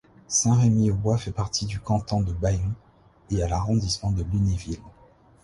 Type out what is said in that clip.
Saint-Rémy-aux-Bois fait partie du canton de Bayon et à l'arrondissement de Lunéville.